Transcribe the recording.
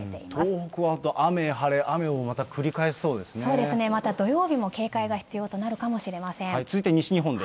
東北は本当、雨、晴れ、そうですね、また土曜日も警戒が必要となるかもしれません。